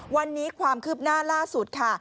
วันนี้ความคืบหน้าล่าสุดค่ะ